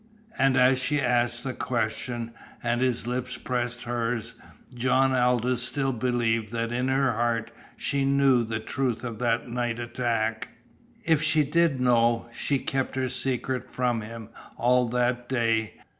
And as she asked the question, and his lips pressed hers, John Aldous still believed that in her heart she knew the truth of that night attack. If she did know, she kept her secret from him all that day.